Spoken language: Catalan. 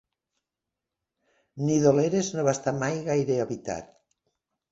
Nidoleres no va estar mai gaire habitat.